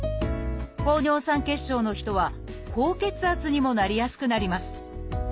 高尿酸血症の人は高血圧にもなりやすくなります。